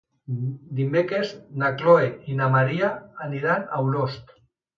Dimecres na Chloé i na Maria aniran a Olost.